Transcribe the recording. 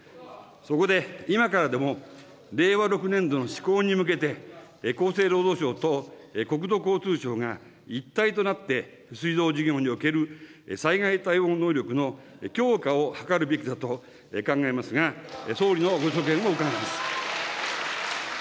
そこで、今からでも令和６年度の施行に向けて、厚生労働省と国土交通省が一体となって、水道事業における災害対応能力の強化を図るべきだと考えますが総理のご所見を伺います。